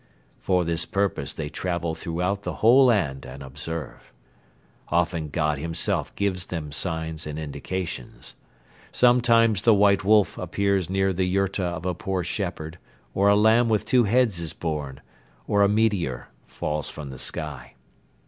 For this purpose they travel throughout the whole land and observe. Often God himself gives them signs and indications. Sometimes the white wolf appears near the yurta of a poor shepherd or a lamb with two heads is born or a meteor falls from the sky.